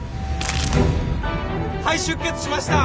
肺出血しました！